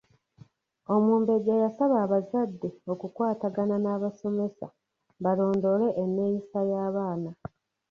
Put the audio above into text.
Omumbejja yasaba abazadde okukwatagana n’abasomesa balondoole enneeyisa y'abaana.